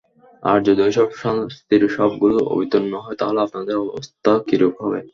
আর যদি ঐসব শাস্তির সবগুলো অবতীর্ণ হয় তাহলে আপনাদের অবস্থা কিরূপ হবে?